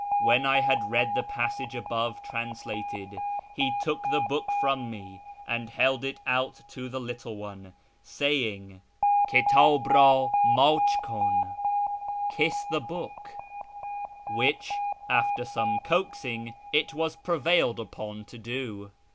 When I had read the passage above translated, he took the book from me and held it out to the little one, saying " Kitdh rd mdch lam "(" Kiss the book "), which, after some coaxing, it was prevailed upon to do.